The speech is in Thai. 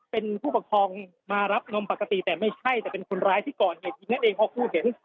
เป็นผู้ประคองมารับงนมปกติแต่ไม่ใช่แต่เป็นคนร้ายที่ก่อนอีกอย่างนั้นเองพอคุณเห็น